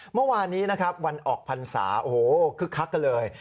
เมื่อวานนี้นะครับวันออกพรรษาโอ้โหคึกคักกันเลย